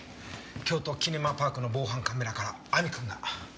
京都キネマパークの防犯カメラから亜美君が。